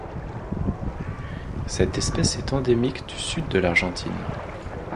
Cette espèce est endémique du sud de l'Argentine.